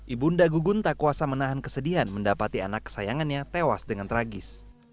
ibu nda gugun tak kuasa menahan kesedihan mendapati anak kesayangannya tewas dengan tragis